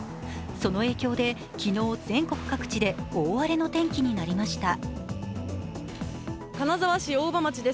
その影響で昨日、全国各地で大荒れの天気になりました。